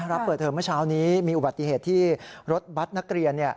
รับเปิดเทอมเมื่อเช้านี้มีอุบัติเหตุที่รถบัตรนักเรียน